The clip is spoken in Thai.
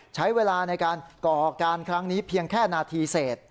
ใช้เวลาในการก่อการครั้งนี้เพียงแค่นาทีเสร็จ